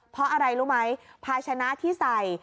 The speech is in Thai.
เพราะอะไรรู้ไหมภาชนะที่ใส่